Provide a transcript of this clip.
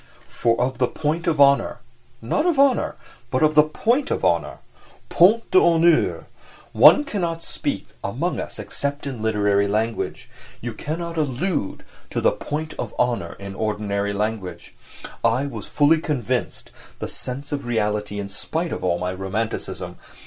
For of the point of honour—not of honour, but of the point of honour (point d'honneur)—one cannot speak among us except in literary language. You can't allude to the "point of honour" in ordinary language. I was fully convinced (the sense of reality, in spite of all my romanticism!)